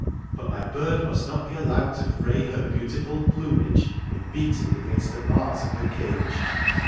But my bird must not be allowed to fray her beautiful plumage in beating against the bars of her cage.